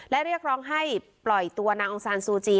และเรียกร้องให้ปล่อยตัวนางองซานซูจี